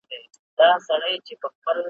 ربه ستا پر ستړې مځکه له ژوندونه یم ستومانه ,